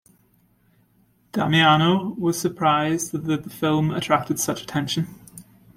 Damiano was surprised that the film attracted such attention.